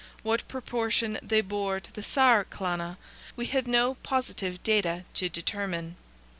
What proportion they bore to the Saer Clanna we have no positive data to determine.